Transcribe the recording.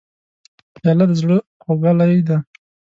پیاله د زړه خوږلۍ ده.